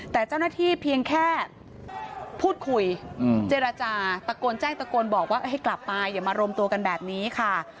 แต่เจ้าหน้าที่เพียงแค่พูดคุยเจรจาตะโกนแจ้งตะโกนบอกว่าให้กลับไปอย่ามารวมตัวกันแบบนี้ค่ะ